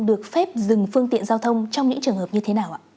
được phép dừng phương tiện giao thông trong những trường hợp như thế nào ạ